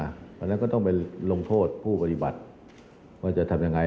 เพราะฉะนั้นก็ต้องไปลงโทษผู้ปฏิบัติว่าจะทำยังไง